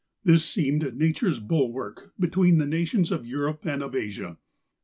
This seemed Nature's bulwark between the nations of Europe and of Asia.